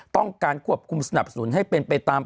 ต้องการควบคุมสนับสนุนให้เป็นไปตาม